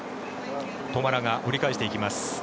トマラが折り返していきます。